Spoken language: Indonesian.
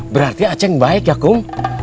berarti aceh baik ya kum